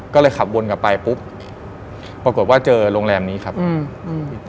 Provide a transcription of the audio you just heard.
ก็เลยขับวนกลับไปปุ๊บปรากฏว่าเจอโรงแรมนี้ครับอืมอืม